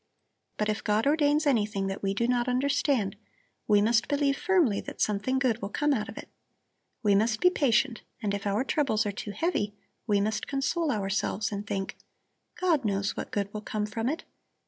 But if God ordains anything that we do not understand, we must believe firmly that something good will come out of it. We must be patient, and if our troubles are too heavy, we must console ourselves and think: God knows what good will come from it.